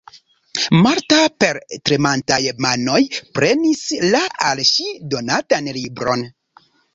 Marta per tremantaj manoj prenis la al ŝi donatan libron.